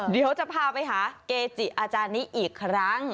เดี๋ยวจะพาไปหาเกจิอาจารย์นี้อีกครั้ง